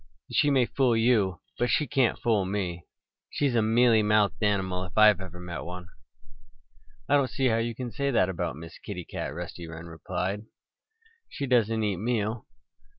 "She may fool you; but she can't fool me. She's a mealy mouthed animal, if ever I met one." "I don't see how you can say that about Miss Kitty Cat," Rusty replied. "She doesn't eat meal."